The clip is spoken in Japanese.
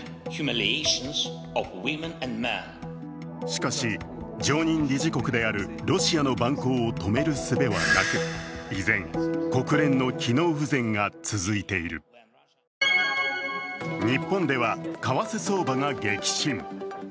しかし、常任理事国であるロシアの蛮行を止めるすべはなく、依然、国連の機能不全が続いている日本では為替相場が激震。